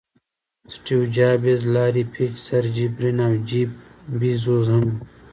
سټیو جابز، لاري پیج، سرجي برین او جیف بیزوز هم وو.